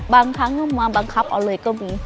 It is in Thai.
บางครั้งก็มาบังคับเอาเลยก็มี